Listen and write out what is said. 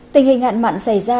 tình hình hạn mạn xảy ra